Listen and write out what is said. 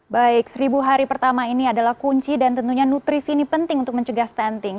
baik seribu hari pertama ini adalah kunci dan tentunya nutrisi ini penting untuk mencegah stunting